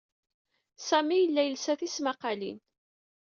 Sami yella yelsa tismaqalin.